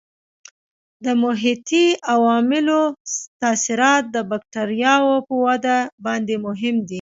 د محیطي عواملو تاثیرات د بکټریاوو په وده باندې مهم دي.